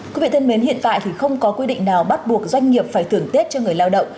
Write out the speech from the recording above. quý vị thân mến hiện tại thì không có quy định nào bắt buộc doanh nghiệp phải thưởng tết cho người lao động